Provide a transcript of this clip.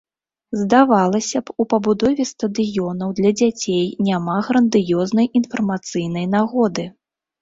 Здавалася б, у пабудове стадыёнаў для дзяцей няма грандыёзнай інфармацыйнай нагоды.